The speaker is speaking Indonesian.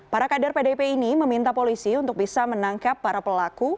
para kader pdip ini meminta polisi untuk bisa menangkap para pelaku